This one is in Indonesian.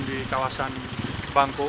di kawasan bangko